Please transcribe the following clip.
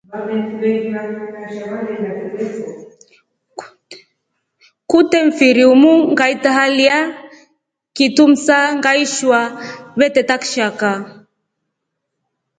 Kute mfiri umu ngaita halya kitumsa ngaishwa veteta kishaka.